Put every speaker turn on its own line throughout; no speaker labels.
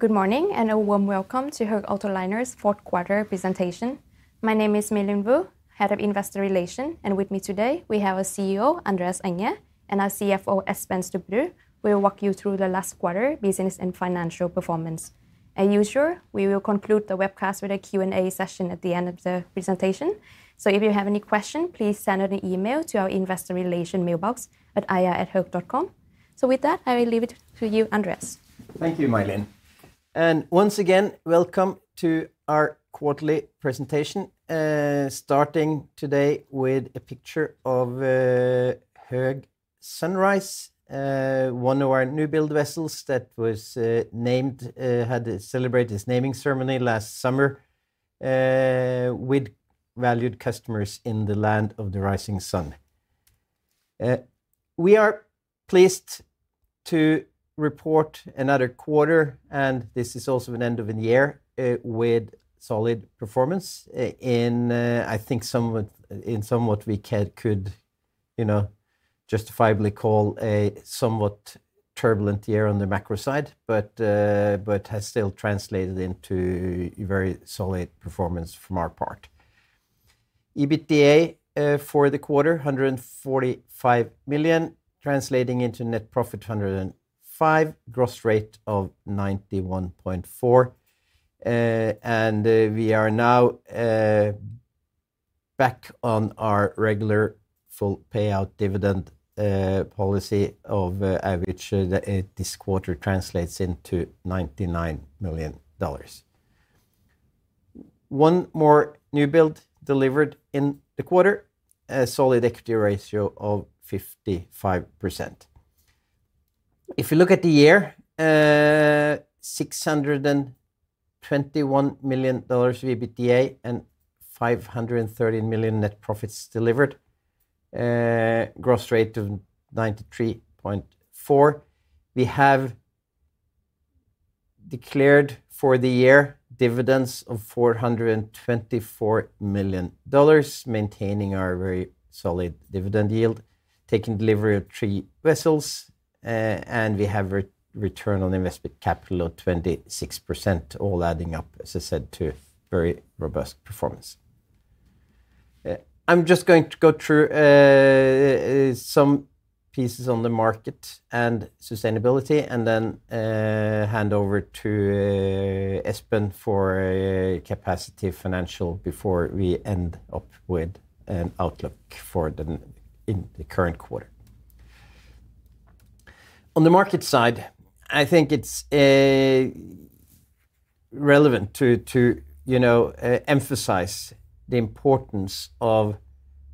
Good morning, a warm welcome to Höegh Autoliners' fourth quarter presentation. My name is My Linh Vu, Head of Investor Relations, and with me today we have our CEO, Andreas Enger, and our CFO, Espen Stubberud, who will walk you through the last quarter business and financial performance. As usual, we will conclude the webcast with a Q&A session at the end of the presentation. If you have any question, please send an email to our Investor Relations mailbox at ir@hoegh.com. With that, I will leave it to you, Andreas.
Thank you, My Linh, and once again, welcome to our quarterly presentation, starting today with a picture of Höegh Sunrise, one of our new build vessels that was named, had celebrated its naming ceremony last summer, with valued customers in the Land of the Rising Sun. We are pleased to report another quarter, and this is also an end of the year, with solid performance in, I think somewhat, in somewhat we could, you know, justifiably call a somewhat turbulent year on the macro side, but has still translated into a very solid performance from our part. EBITDA for the quarter, $145 million, translating into net profit, $105 million. Gross rate of $91.4. And we are now back on our regular full payout dividend policy of average. This quarter translates into $99 million. One more new build delivered in the quarter, a solid equity ratio of 55%. If you look at the year, $621 million EBITDA and $530 million net profits delivered, gross rate of 93.4. We have declared for the year dividends of $424 million, maintaining our very solid dividend yield, taking delivery of three vessels, and we have return on invested capital of 26%, all adding up, as I said, to very robust performance. I'm just going to go through some pieces on the market and sustainability and then hand over to Espen for a capacity financial before we end up with an outlook in the current quarter. On the market side, I think it's relevant to, you know, emphasize the importance of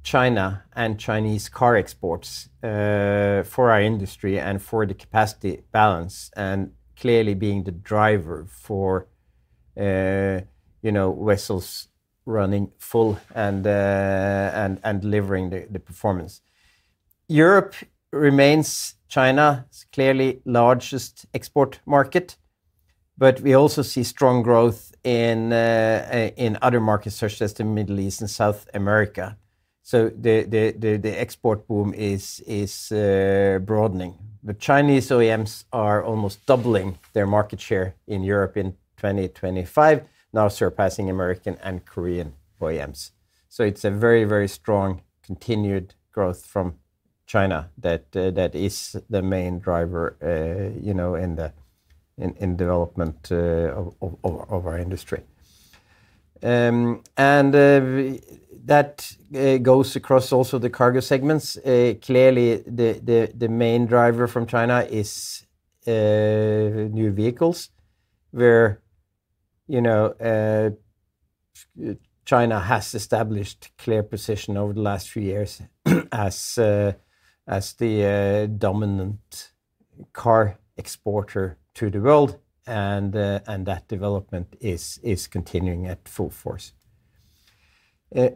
China and Chinese car exports for our industry and for the capacity balance, and clearly being the driver for, you know, vessels running full and delivering the performance. Europe remains China's clearly largest export market. We also see strong growth in other markets such as the Middle East and South America. The export boom is broadening. The Chinese OEMs are almost doubling their market share in Europe in 2025, now surpassing American and Korean OEMs. It's a very strong continued growth from China that is the main driver, you know, in the development of our industry. That goes across also the cargo segments. Clearly, the main driver from China is new vehicles, where, you know, China has established clear position over the last few years as the dominant car exporter to the world, that development is continuing at full force.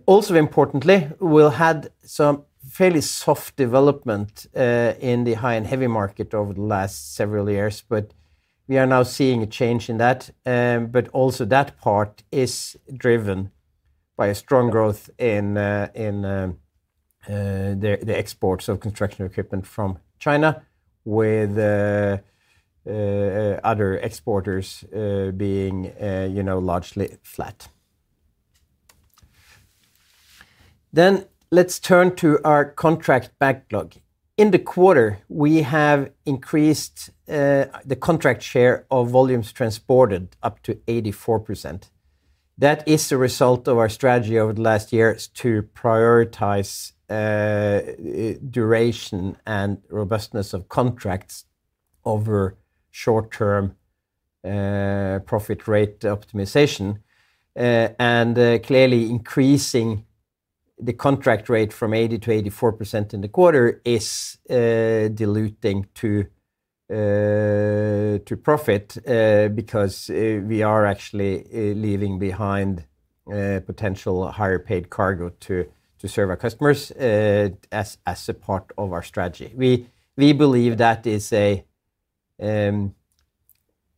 Also importantly, we've had some fairly soft development in the High and Heavy market over the last several years, but we are now seeing a change in that. Also that part is driven by a strong growth in the exports of construction equipment from China, with other exporters being, you know, largely flat. Let's turn to our contract backlog. In the quarter, we have increased the contract share of volumes transported up to 84%. That is a result of our strategy over the last years to prioritize duration and robustness of contracts over short-term profit rate optimization. And, clearly, increasing the contract rate from 80%-84% in the quarter is diluting to profit because we are actually leaving behind potential higher paid cargo to serve our customers as a part of our strategy. We believe that is a,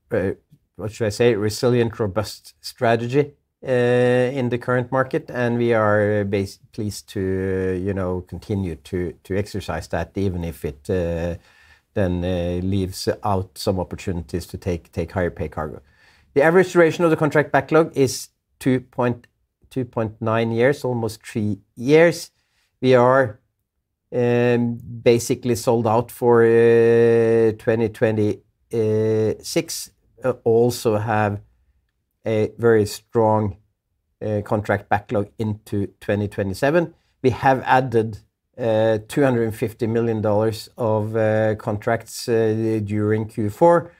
what should I say? Resilient, robust strategy in the current market, and we are best pleased to, you know, continue to exercise that, even if it then leaves out some opportunities to take higher paid cargo. The average duration of the contract backlog is 2.9 years, almost three years. We are basically sold out for 2026. Also have a very strong contract backlog into 2027. We have added $250 million of contracts during Q4,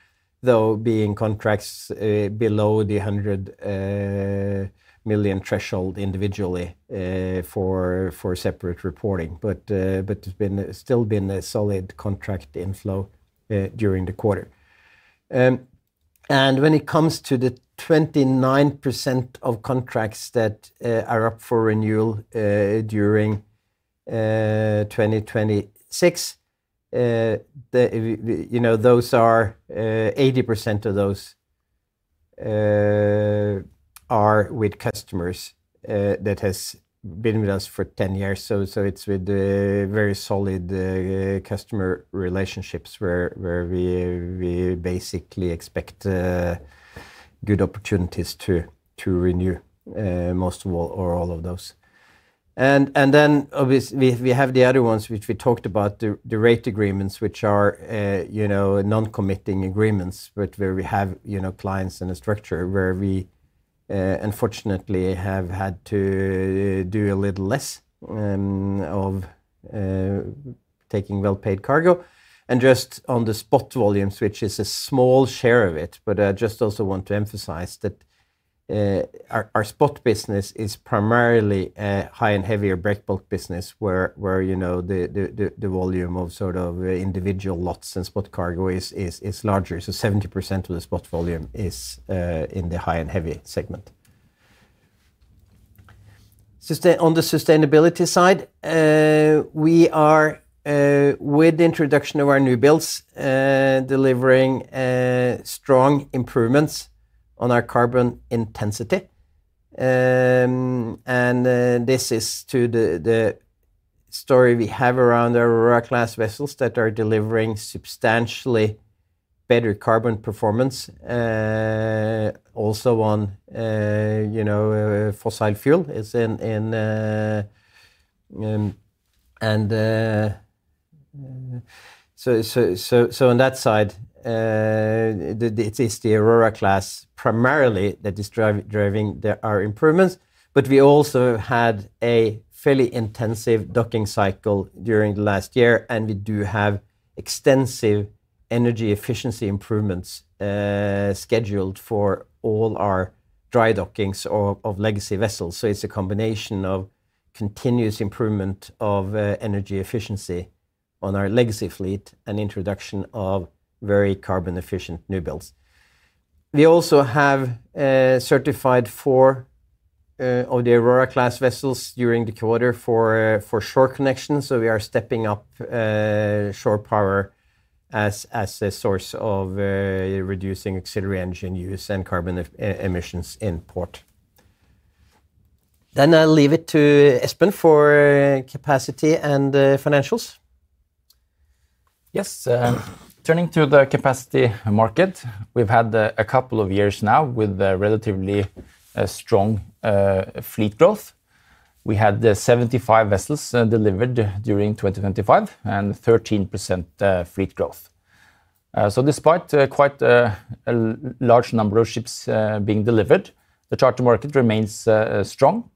though being contracts below the $100 million threshold individually for separate reporting. It's been, still been a solid contract inflow during the quarter. When it comes to the 29% of contracts that are up for renewal during 2026, the, you know, those are 80% of those are with customers that has been with us for 10 years. It's with a very solid customer relationships where we basically expect good opportunities to renew most of all or all of those. Then obviously, we have the other ones, which we talked about, the rate agreements, which are, you know, non-committing agreements, but where we have, you know, clients in a structure where we unfortunately have had to do a little less of taking well-paid cargo. Just on the spot volumes, which is a small share of it, but I just also want to emphasize that our spot business is primarily a High and Heavy break bulk business, where, you know, the volume of sort of individual lots and spot cargo is larger. 70% of the spot volume is in the High and Heavy segment. On the sustainability side, we are with the introduction of our new builds, delivering strong improvements on our carbon intensity. This is to the story we have around our Aurora Class vessels that are delivering substantially better carbon performance, also on, you know, fossil fuel is in. On that side, it is the Aurora Class, primarily that is driving the our improvements. We also had a fairly intensive docking cycle during the last year, and we do have extensive energy efficiency improvements scheduled for all our dry dockings of legacy vessels. It's a combination of continuous improvement of energy efficiency on our legacy fleet and introduction of very carbon efficient new builds. We also have certified four of the Aurora Class vessels during the quarter for shore connections. We are stepping up shore power as a source of reducing auxiliary engine use and carbon emissions in port. I'll leave it to Espen for capacity and financials.
Turning to the capacity market, we've had a couple of years now with a relatively strong fleet growth. We had 75 vessels delivered during 2025, and 13% fleet growth. Despite quite a large number of ships being delivered, the charter market remains strong,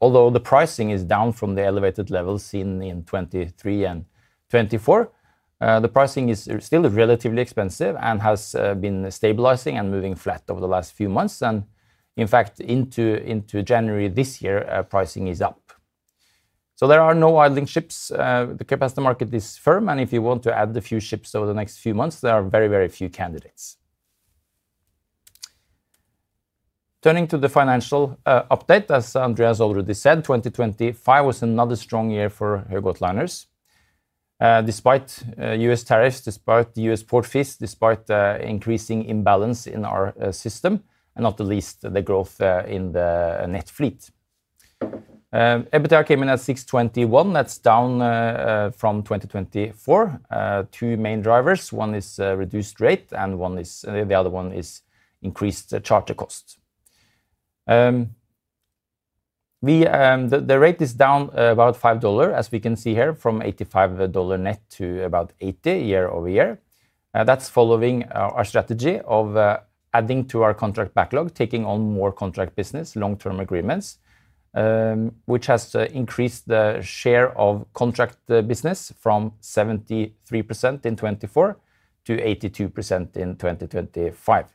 although the pricing is down from the elevated levels seen in 2023 and 2024. The pricing is still relatively expensive and has been stabilizing and moving flat over the last few months, and in fact, into January this year, pricing is up. There are no idling ships. The capacity market is firm, and if you want to add a few ships over the next few months, there are very, very few candidates. Turning to the financial update, as Andreas already said, 2025 was another strong year for Höegh Autoliners. Despite U.S. tariffs, despite the U.S. port fees, despite the increasing imbalance in our system, and not the least, the growth in the net fleet. EBITDA came in at $621. That's down from 2024. Two main drivers, one is reduced rate, and the other one is increased charter costs. We, the rate is down about $5, as we can see here, from $85 net to about $80 year-over-year. That's following our strategy of adding to our contract backlog, taking on more contract business, long-term agreements, which has increased the share of contract business from 73% in 2024 to 82% in 2025.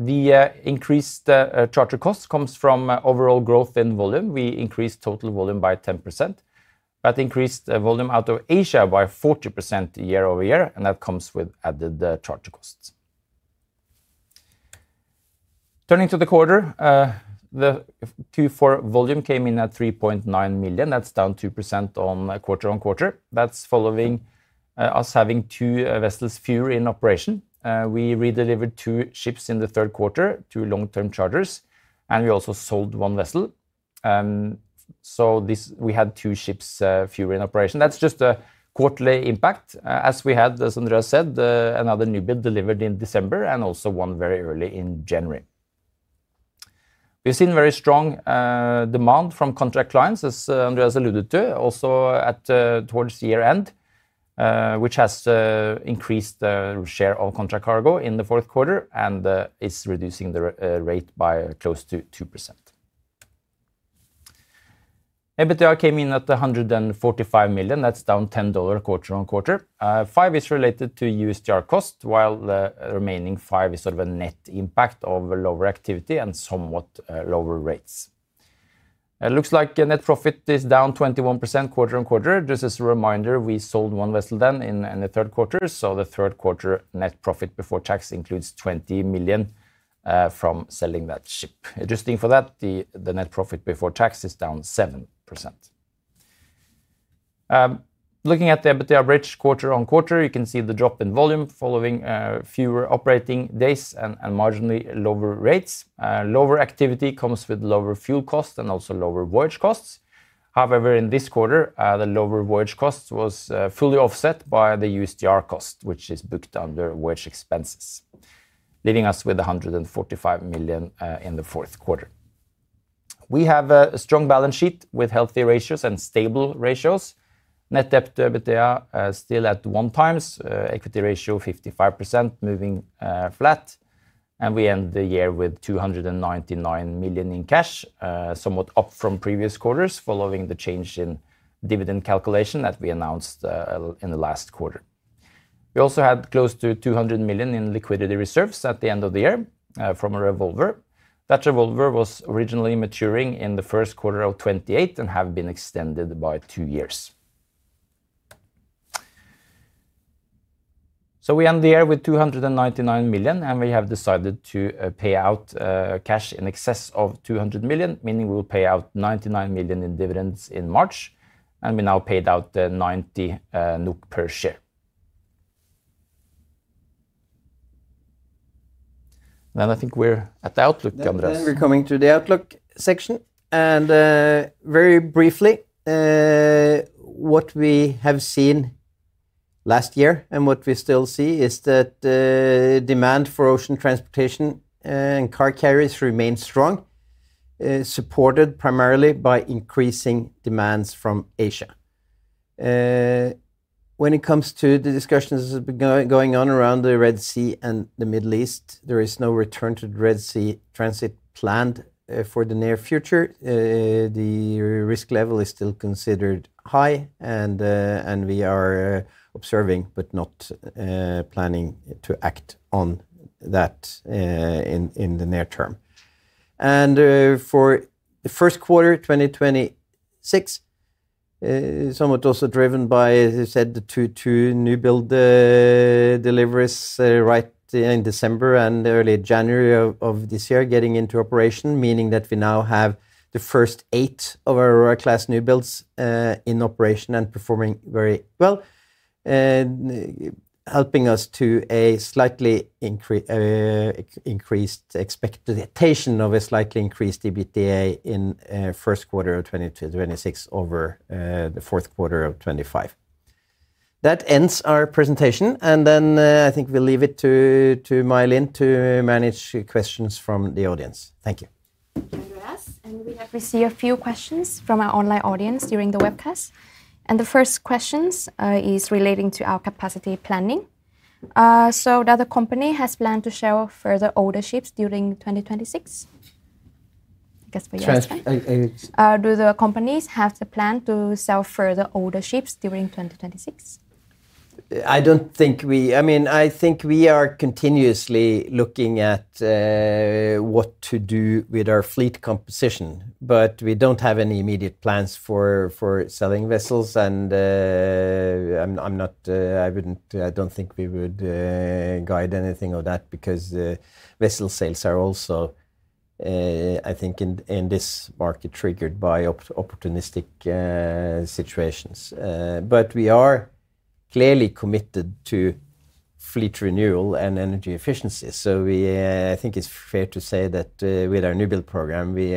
The increased charter costs comes from overall growth in volume. We increased total volume by 10%, but increased volume out of Asia by 40% year-over-year, and that comes with added charter costs. Turning to the quarter, the Q4 volume came in at 3.9 million. That's down 2% on a quarter-on-quarter. That's following us having two vessels fewer in operation. We redelivered two ships in the third quarter to long-term charters, and we also sold one vessel. This, we had two ships fewer in operation. That's just a quarterly impact, as we had, as Andreas said, another newbuild delivered in December and also one very early in January. We've seen very strong demand from contract clients, as Andreas alluded to, also at towards the year-end, which has increased the share of contract cargo in the fourth quarter and is reducing the rate by close to 2%. EBITDA came in at $145 million. That's down $10 million quarter-on-quarter. $5 million is related to USDAR cost, while the remaining $5 million is sort of a net impact of lower activity and somewhat lower rates. It looks like net profit is down 21% quarter-on-quarter. Just as a reminder, we sold one vessel then in the third quarter, so the third quarter net profit before tax includes $20 million from selling that ship. Adjusting for that, the net profit before tax is down 7%. Looking at the EBITDA bridge quarter on quarter, you can see the drop in volume following fewer operating days and marginally lower rates. Lower activity comes with lower fuel costs and also lower voyage costs. However, in this quarter, the lower voyage costs was fully offset by the USDAR cost, which is booked under voyage expenses, leaving us with $145 million in the fourth quarter. We have a strong balance sheet with healthy ratios and stable ratios. Net debt-to-EBITDA are still at 1x, equity ratio 55%, moving flat, and we end the year with $299 million in cash, somewhat up from previous quarters, following the change in dividend calculation that we announced in the last quarter. We also had close to $200 million in liquidity reserves at the end of the year from a revolver. That revolver was originally maturing in the first quarter of 2028 and have been extended by two years. We end the year with $299 million, and we have decided to pay out cash in excess of $200 million, meaning we will pay out $99 million in dividends in March, and we now paid out the 90 NOK per share. I think we're at the outlook, Andreas.
We're coming to the outlook section, and, very briefly, what we have seen last year and what we still see is that, demand for ocean transportation, and car carriers remains strong, supported primarily by increasing demands from Asia. When it comes to the discussions going on around the Red Sea and the Middle East, there is no return to the Red Sea transit planned, for the near future. The risk level is still considered high, and we are observing but not, planning to act on that, in the near term. For the first quarter 2026, somewhat also driven by, as you said, the two newbuild deliveries right in December and early January of this year, getting into operation, meaning that we now have the first eight of our Aurora Class newbuilds in operation and performing very well, and helping us to a slightly increased expectation of a slightly increased EBITDA in first quarter of 2026 over the fourth quarter of 2025. That ends our presentation, I think we'll leave it to My Linh to manage questions from the audience. Thank you.
Thank you, Andreas. We have received a few questions from our online audience during the webcast. The first questions is relating to our capacity planning. That the company has planned to sell further older ships during 2026?
Trans... Uh, uh-
Do the companies have the plan to sell further older ships during 2026?
I think we are continuously looking at what to do with our fleet composition, but we don't have any immediate plans for selling vessels. I'm not, I wouldn't, I don't think we would guide anything on that because the vessel sales are also, I think in this market, triggered by opportunistic situations. We are clearly committed to fleet renewal and energy efficiency. We, I think it's fair to say that with our newbuild program, we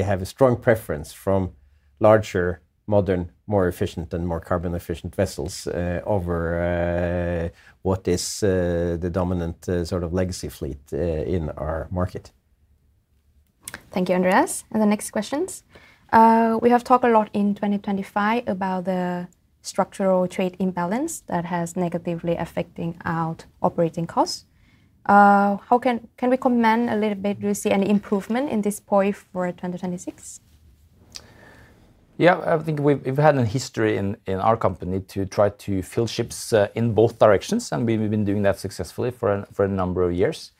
have a strong preference from larger, modern, more efficient and more carbon-efficient vessels over what is the dominant sort of legacy fleet in our market.
Thank you, Andreas. The next questions. We have talked a lot in 2025 about the structural trade imbalance that has negatively affecting our operating costs. Can we comment a little bit, do you see any improvement in this point for 2026?
Yeah, I think we've had a history in our company to try to fill ships in both directions, and we've been doing that successfully for a number of years.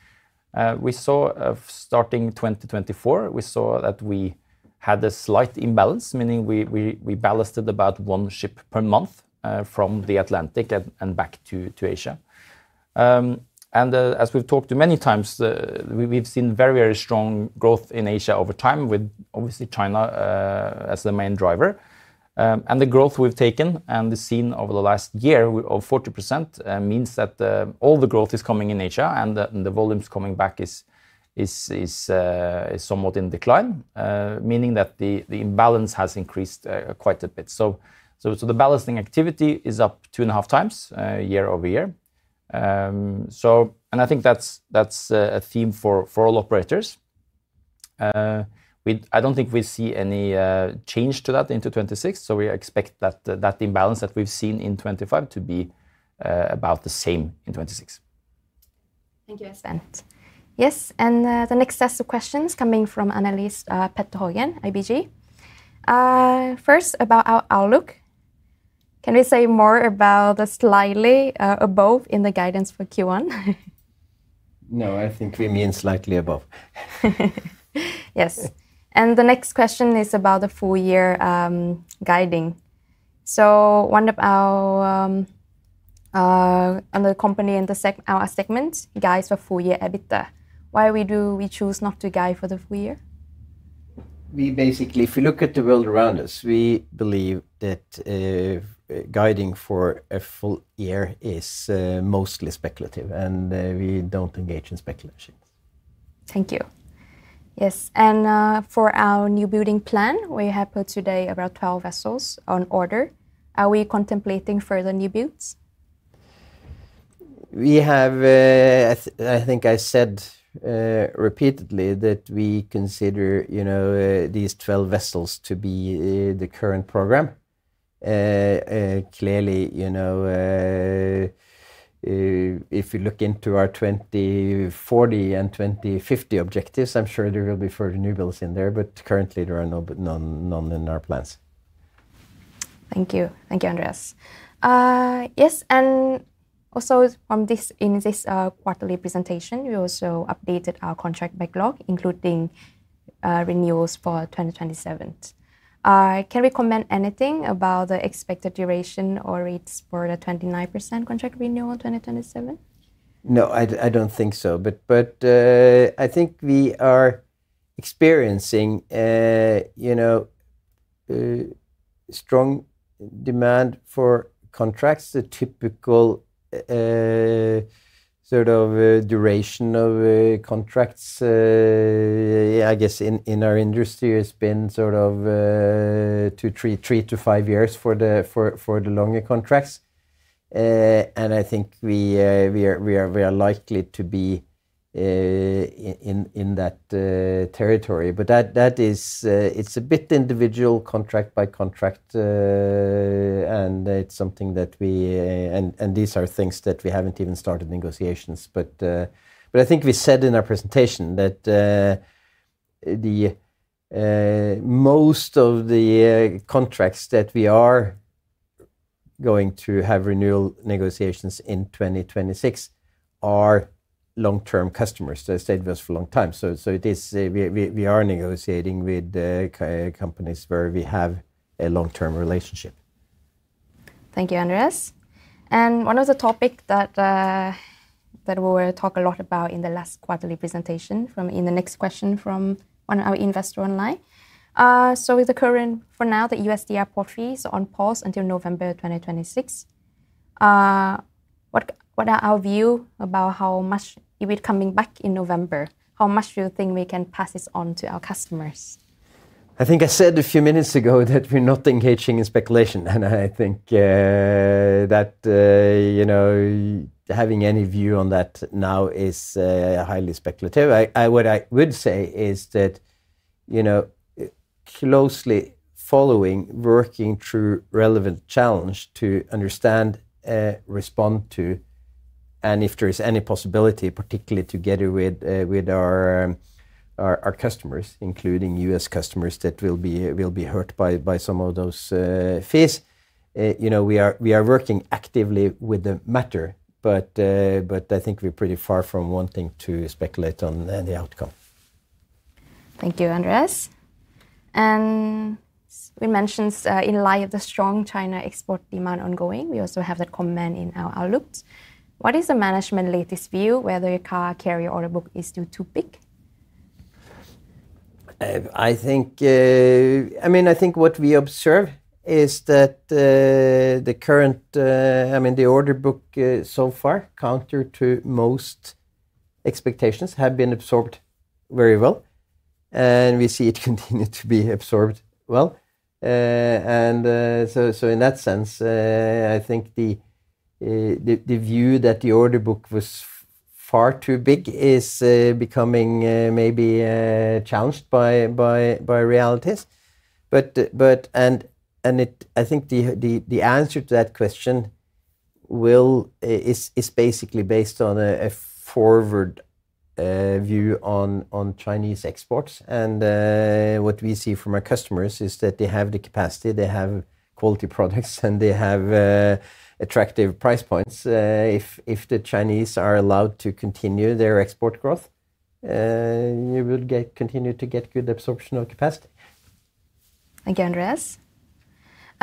We saw, starting 2024, we saw that we had a slight imbalance, meaning we ballasted about one ship per month from the Atlantic and back to Asia. As we've talked to many times, we've seen very, very strong growth in Asia over time with obviously China as the main driver. The growth we've taken and the scene over the last year of 40% means that all the growth is coming in Asia, and the volumes coming back is somewhat in decline, meaning that the imbalance has increased quite a bit. The balancing activity is up 2.5x year-over-year. I think that's a theme for all operators. I don't think we see any change to that into 2026, so we expect that imbalance that we've seen in 2025 to be about the same in 2026.
Thank you, Espen. Yes, the next set of questions coming from analyst Petter Haugen, ABG. First, about our outlook. Can we say more about the slightly above in the guidance for Q1?
No, I think we mean slightly above.
Yes. The next question is about the full year guiding. One of our, another company in our segment guides for full year EBITDA. Why we choose not to guide for the full year?
We basically, if you look at the world around us, we believe that, guiding for a full year is, mostly speculative, and, we don't engage in speculations.
Thank you. Yes, for our new building plan, we have put today about 12 vessels on order. Are we contemplating further new builds?
We have, I think I said, repeatedly that we consider, you know, these 12 vessels to be, the current program. Clearly, you know, if you look into our 2040 and 2050 objectives, I'm sure there will be further new builds in there, currently there are none in our plans.
Thank you. Thank you, Andreas. Yes, also from this, in this quarterly presentation, we also updated our contract backlog, including renewals for 2027. Can we comment anything about the expected duration or rates for the 29% contract renewal 2027?
No, I don't think so. I think we are experiencing, you know, strong demand for contracts. The typical, sort of, duration of contracts, I guess in our industry has been sort of, two, three-five years for the longer contracts. I think we are likely to be in that territory. That is, it's a bit individual contract by contract, and it's something that we. These are things that we haven't even started negotiations. I think we said in our presentation that the most of the contracts that we are going to have renewal negotiations in 2026 are long-term customers. They've stayed with us for a long time. So it is, we are negotiating with, companies where we have a long-term relationship.
Thank you, Andreas. One of the topic that we will talk a lot about in the last quarterly presentation from the next question from one of our investor online. With the current, for now, the U.S. port fees on pause until November 2026, what are our view about how much it will coming back in November? How much do you think we can pass this on to our customers?
I think I said a few minutes ago that we're not engaging in speculation. I think that, you know, having any view on that now is highly speculative. What I would say is that, you know, closely following, working through relevant challenge to understand, respond to, if there is any possibility, particularly together with our customers, including U.S. customers, that will be hurt by some of those fees. You know, we are working actively with the matter. I think we're pretty far from wanting to speculate on any outcome.
Thank you, Andreas. We mentioned in light of the strong China export demand ongoing, we also have that comment in our outlook. What is the management latest view, whether car carrier order book is due to peak?
I think, I mean, I think what we observe is that the current... I mean, the order book, so far, counter to most expectations, have been absorbed very well, and we see it continue to be absorbed well. So, so in that sense, I think the view that the order book was far too big is becoming, maybe, challenged by realities. I think the answer to that question will, is basically based on a forward view on Chinese exports. What we see from our customers is that they have the capacity, they have quality products, and they have attractive price points. If the Chinese are allowed to continue their export growth, you will continue to get good absorption of capacity.
Thank you, Andreas.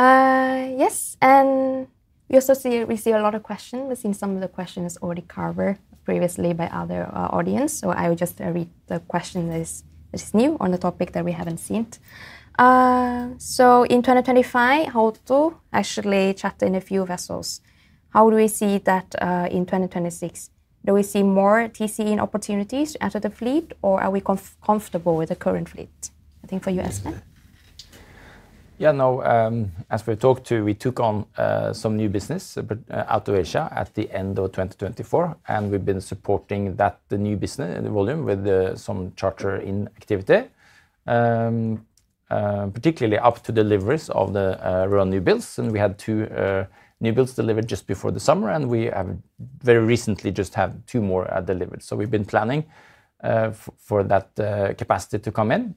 Yes, we also see a lot of questions. We've seen some of the questions already covered previously by other audience, so I will just read the question that is new on the topic that we haven't seen. In 2025, How to actually charter in a few vessels. How do we see that in 2026? Do we see more TCE opportunities after the fleet, or are we comfortable with the current fleet? I think for you, Espen.
Yeah, no, as we talked to, we took on some new business out of Asia at the end of 2024. We've been supporting that, the new business and the volume with some charter in activity. Particularly up to deliveries of the new builds, we had two new builds delivered just before the summer. We have very recently just have two more delivered. We've been planning for that capacity to come in.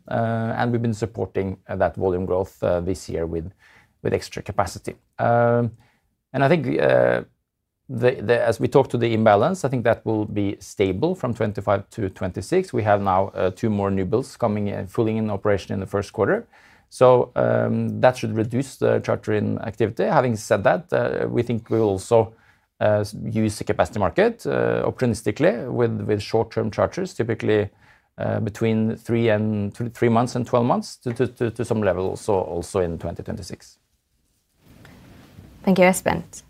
We've been supporting that volume growth this year with extra capacity. I think the as we talked to the imbalance, I think that will be stable from 2025 to 2026. We have now two more new builds coming in, fully in operation in the first quarter. That should reduce the charter in activity. Having said that, we think we will also use the capacity market opportunistically with short-term charters, typically between three months and 12 months to some level, also in 2026.
Thank you, Espen.